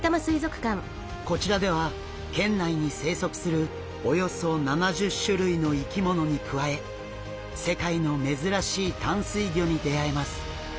こちらでは県内に生息するおよそ７０種類の生き物に加え世界の珍しい淡水魚に出会えます。